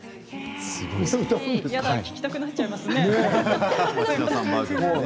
聴きたくなっちゃいますね。